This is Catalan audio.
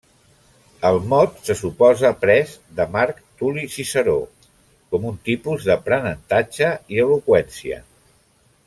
El mot se suposa pres de Marc Tuli Ciceró, com un tipus d'aprenentatge i eloqüència.